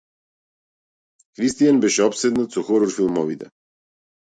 Христијан беше опседнат со хорор филмови.